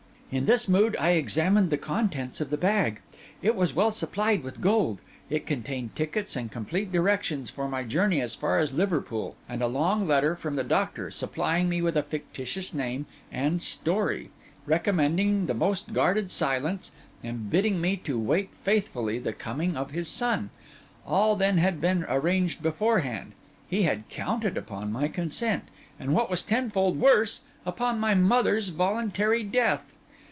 In this mood, I examined the contents of the bag. It was well supplied with gold; it contained tickets and complete directions for my journey as far as Liverpool, and a long letter from the doctor, supplying me with a fictitious name and story, recommending the most guarded silence, and bidding me to await faithfully the coming of his son. All then had been arranged beforehand: he had counted upon my consent, and what was tenfold worse, upon my mother's voluntary death.